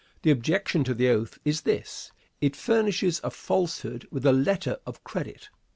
The objection to the oath is this: It furnishes a falsehood with a letter of credit.